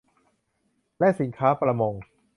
และสินค้าประมง